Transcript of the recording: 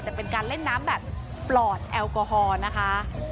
เป็นการเล่นน้ำแบบปลอดแอลกอฮอล์นะคะ